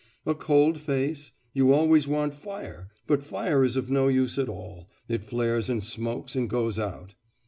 'A cold face.... You always want fire; but fire is of no use at all. It flares and smokes and goes out.